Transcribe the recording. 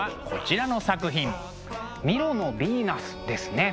「ミロのヴィーナス」ですね。